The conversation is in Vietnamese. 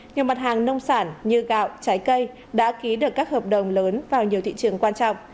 nhiều mặt hàng nông sản như gạo trái cây đã ký được các hợp đồng lớn vào nhiều thị trường quan trọng